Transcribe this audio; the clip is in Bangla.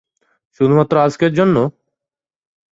শুধুমাত্র আজকের জন্য?